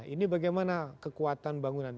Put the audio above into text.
ini bagaimana kekuatan bangunan